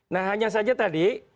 nah hanya saja tadi